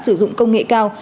sử dụng công nghệ cao